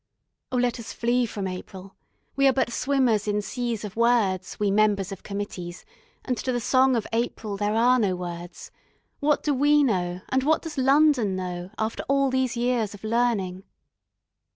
Oh, let us flee from April! We are but swimmers in seas of words, we members of committees, and to the song of April there are no words. What do we know, and what does London know, after all these years of learning?